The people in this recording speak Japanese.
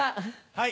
はい。